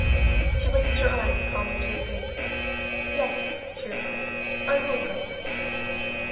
She raised her eyes calmly to his face. "Yes," she replied, "I will go."